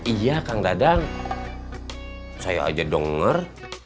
iya kang dadang saya aja denger